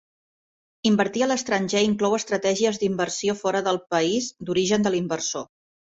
Invertir a l'estranger inclou estratègies d'inversió fora del país d'origen de l'inversor.